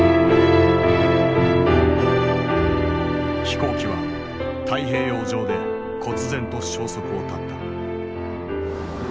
飛行機は太平洋上でこつ然と消息を絶った。